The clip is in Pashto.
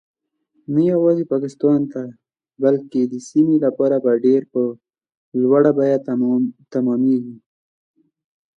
نه یوازې پاکستان ته بلکې د سیمې لپاره به ډیر په لوړه بیه تمامیږي